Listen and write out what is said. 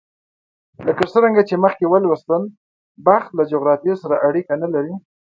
لکه څرنګه چې مخکې ولوستل، بخت له جغرافیې سره اړیکه نه لري.